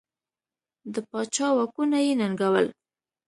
د پاچا واکونه یې ننګول.